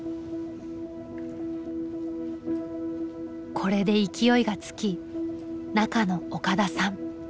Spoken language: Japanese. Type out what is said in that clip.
これで勢いがつき「中」の岡田さん。